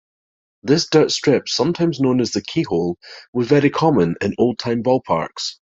This dirt strip, sometimes known as the "keyhole", was very common in old-time ballparks.